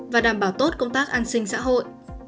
và đảm bảo tốt công tác an sinh xã hội